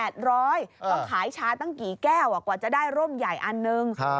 ต้องขายชาตั้งกี่แก้วกว่าจะได้ร่มใหญ่อันหนึ่ง